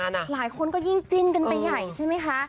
หลายคนก็ยิ่งจิ้นกันไปใหญ่ใช่ไหมคะ